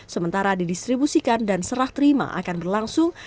sementara didistribusikan dan serah terima akan berlangsung